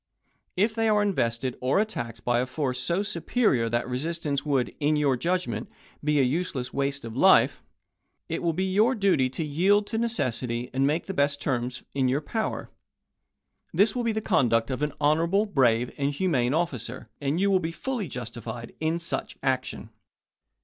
If they are invested or attacked by a force so superior that resist ance would, in your judgment, be a useless waste of life, it will be your duty to yield to necessity, and make the best terms in your power. This will be the conduct of an honorable, brave, and humane officer, and you will be fully justified in such action.